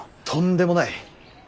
とんでもない。